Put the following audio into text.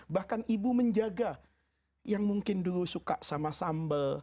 bahkan ibu menjaga yang mungkin dulu suka sama sambal